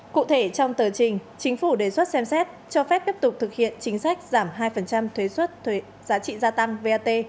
cụ thể trong tờ trình chính phủ đề xuất xem xét cho phép tiếp tục thực hiện chính sách giảm hai thuế giá trị gia tăng vat